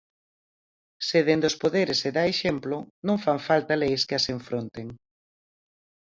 Se dende os poderes se dá exemplo, non fan falta leis que as enfronten.